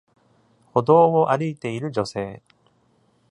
歩道を歩いている女性